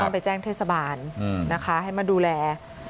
ไปแจ้งเทศบาลนะคะให้มาดูแล